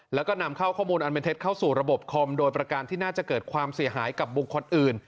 แล้วก็นำเข้าข้อมูลอันเป็นเท็จเข้าสู่ระบบคอมโดยประการที่น่าจะเกิดความเสียหายกับบุคคลอื่น